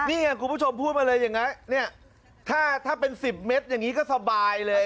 นี่ไงคุณผู้ชมพูดมาเลยอย่างนั้นเนี่ยถ้าเป็น๑๐เมตรอย่างนี้ก็สบายเลย